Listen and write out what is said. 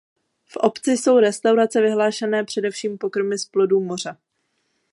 V obci jsou restaurace vyhlášené především pokrmy z plodů moře.